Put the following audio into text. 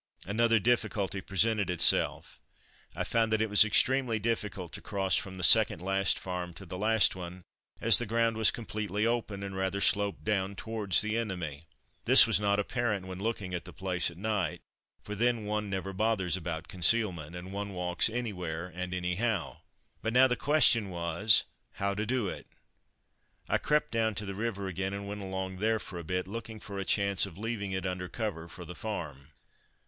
Another difficulty presented itself. I found that it was extremely difficult to cross from the second last farm to the last one, as the ground was completely open, and rather sloped down towards the enemy. This was not apparent when looking at the place at night, for then one never bothers about concealment, and one walks anywhere and anyhow. But now the question was, how to do it. I crept down to the river again, and went along there for a bit, looking for a chance of leaving it under cover for the farm.